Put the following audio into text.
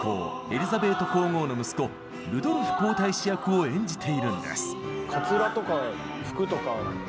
エリザベート皇后の息子ルドルフ皇太子役を演じているんです。